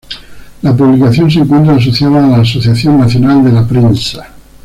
La publicación se encuentra asociada a la Asociación Nacional de la Prensa.